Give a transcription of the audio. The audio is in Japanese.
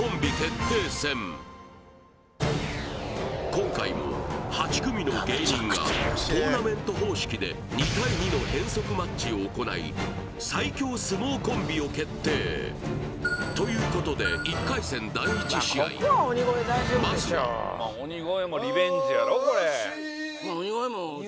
今回も８組の芸人がトーナメント方式で２対２の変則マッチを行い最強相撲コンビを決定ということで１回戦第１試合まずは東鬼越トマホーク鬼越